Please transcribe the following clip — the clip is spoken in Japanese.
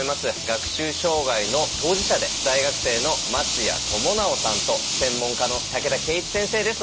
学習障害の当事者で大学生の松谷知直さんと専門家の竹田契一先生です。